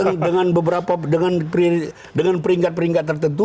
ada beberapa nama dengan peringkat peringkat tertentu